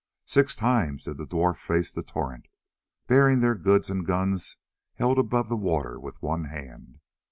Six times did the dwarf face the torrent, bearing their goods and guns held above the water with one hand.